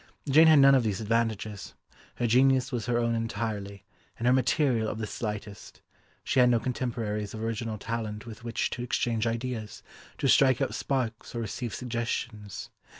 Jane had none of these advantages, her genius was her own entirely, and her material of the slightest; she had no contemporaries of original talent with which to exchange ideas, to strike out sparks or receive suggestions.